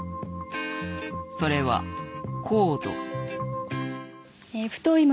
それは「コード」。